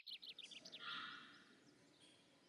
Těžba a úprava rud a černého uhlí.